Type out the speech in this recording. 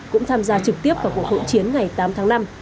cũng tham gia trực tiếp vào cuộc hỗn chiến ngày tám tháng năm